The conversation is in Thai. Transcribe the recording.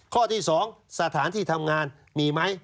ข้อที่๒สถานที่ทำงานมีไหม